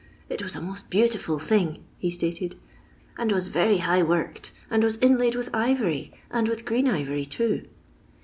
It was a most beautiful thing," he stated, " and was very high worked, and was inlaid vnth ivory, and with green ivory too."